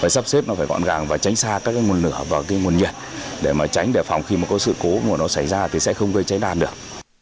sắp xếp nó phải gọn gàng và tránh xa các nguồn lửa và nguồn nhiệt để tránh đề phòng khi một sự cố xảy ra thì sẽ không gây cháy đàn được